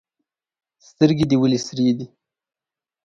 سترګي دي ولي سرې دي؟